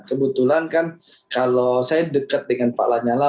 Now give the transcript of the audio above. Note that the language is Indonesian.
kebetulan kan kalau saya dekat dengan pak lanyala